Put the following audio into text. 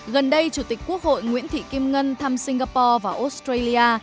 gần đây chủ tịch quốc hội nguyễn thị kim ngân thăm singapore và australia